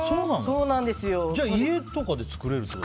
じゃあ家とかで作れるってこと？